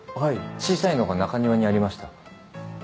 小さいのが中庭にありました。